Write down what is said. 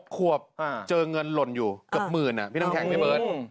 ขวบเจอเงินหล่นอยู่เกือบหมื่นพี่น้ำแข็งพี่เบิร์ต